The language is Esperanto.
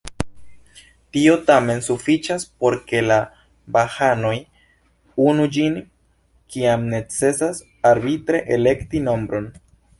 Tio tamen sufiĉas por ke la bahaanoj uzu ĝin, kiam necesas arbitre elekti nombron.